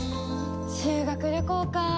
修学旅行かあ。